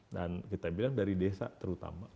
dan kita bilang dari desa terutama